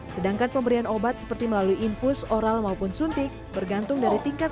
sedangkan pemberian obat seperti melalui infus oral maupun suntik bergantung dari tingkat